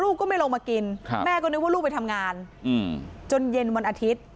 ก็ไม่ลงมากินแม่ก็นึกว่าลูกไปทำงานจนเย็นวันอาทิตย์